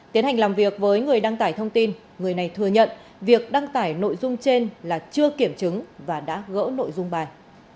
tiến hành làm việc với người đăng tải thông tin người này thừa nhận việc đăng tải nội dung trên là chưa kiểm chứng và đã gỡ nội dung bài